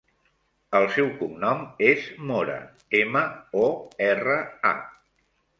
El seu cognom és Mora: ema, o, erra, a.